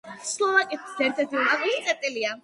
სლოვაკეთის ერთ-ერთი უმაღლესი წერტილია.